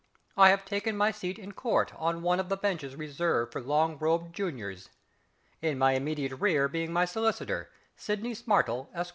I have taken my seat in Court on one of the benches reserved for long robed juniors; in my immediate rear being my solicitor, SIDNEY SMARTLE, Esq.